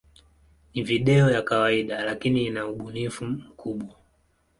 Ni video ya kawaida, lakini ina ubunifu mkubwa.